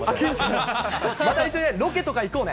また一緒にロケとか行こうね。